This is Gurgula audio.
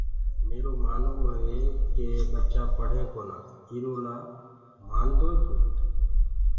ميرو مآنوو هي ڪي ٻچآ پڙهين ڪونآ ايرو لآ مآدوئي تو